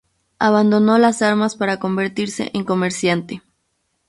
Abandonó las armas para convertirse en comerciante.